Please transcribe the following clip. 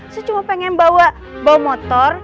saya cuma pengen bawa bau motor